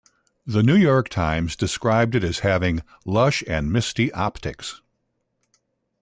The New York Times described it as having "lush and misty optics".